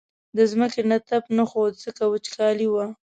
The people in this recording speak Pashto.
له ځمکې نه تپ نه خوت ځکه وچکالي وه.